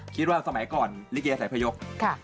คิดว่าสมัยก่อนลิเกย์ใส่พยก